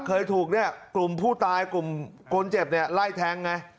เคยถูกกลุ่มผู้ตายกลุ่มคนเจ็บไล่แทงก์ไง